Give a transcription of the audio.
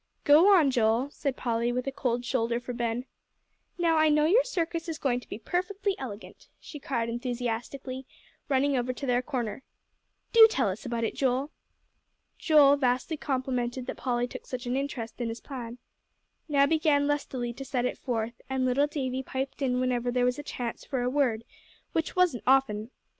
"Go on, Joel," said Polly, with a cold shoulder for Ben. "Now I know your circus is going to be perfectly elegant," she cried enthusiastically, running over to their corner. "Do tell us about it, Joel." Joel, vastly complimented that Polly took such an interest in his plan, now began lustily to set it forth, and little Davie piped in whenever there was a chance for a word, which wasn't often.